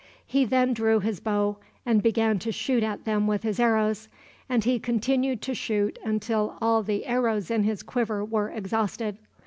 He then drew his bow, and began to shoot at them with his arrows, and he continued to shoot until all the arrows in his quiver were exhausted.